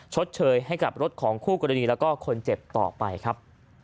ชดเชยให้กับรถของคู่กรณีแล้วก็คนเจ็บต่อไปครับ